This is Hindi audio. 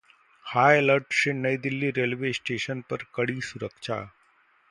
हाई अलर्ट से नई दिल्ली रेलवे स्टेशन पर कड़ी सुरक्षा